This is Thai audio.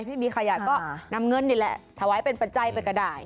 ไม่มีขยะก็นำเงินนี่แหละถวายเป็นปัจจัยไปก็ได้